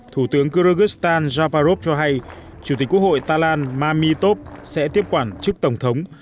thủ tướng kyrgyzstan jabarov cho hay chủ tịch quốc hội talan mamitov sẽ tiếp quản chức tổng thống